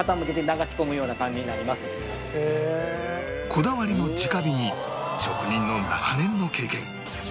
こだわりの直火に職人の長年の経験